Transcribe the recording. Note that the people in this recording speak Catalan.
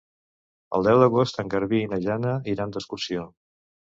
El deu d'agost en Garbí i na Jana iran d'excursió.